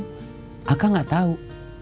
kenapa dikasih nama muslihat